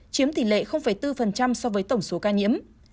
chiếm tỷ lệ bốn so với tổng số ca nhiễm